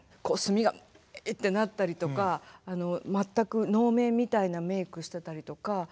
こう墨がってなったりとか全く能面みたいなメークしてたりとか。